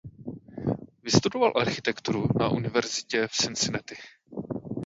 Vystudoval architekturu na universitě v Cincinnati.